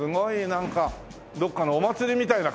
なんかどっかのお祭りみたいな感じだね。